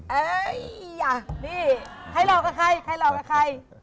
นี่ใครหลอกกับใคร